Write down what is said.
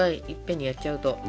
いっぺんにやっちゃうと。